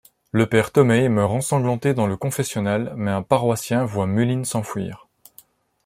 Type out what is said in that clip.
Le Père Tomei meurt ensanglanté dans le confessionnal mais un paroissien voit Mullin s’enfuir.